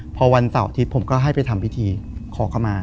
พอวันเสาร์อาทิตย์ผมก็ให้ไปทำพิธีขอเข้ามา